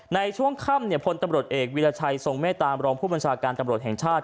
ในช่วงค่ำพลตำรวจเอกวิราชัยทรงเมตตามรองผู้บัญชาการตำรวจแห่งชาติ